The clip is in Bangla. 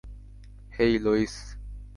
হেই, লোয়িস।